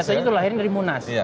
biasanya itu lahirnya dari munas